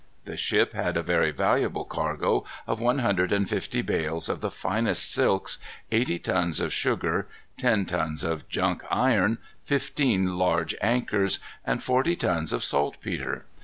The ship had a very valuable cargo of one hundred and fifty bales of the finest silks, eighty tons of sugar, ten tons of junk iron, fifteen large anchors, and forty tons of saltpetre.